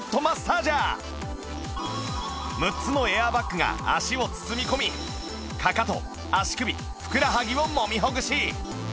６つのエアバッグが足を包み込みかかと足首ふくらはぎをもみほぐし